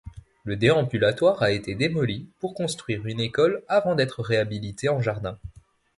Le déambulatoire a été démoli pour construire une école avant d'être réhabilité en jardin.